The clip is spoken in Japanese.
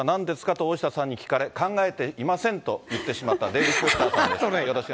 と大下さんに聞かれ、考えていませんと言ってしまった、デーブ・スペクターさんです。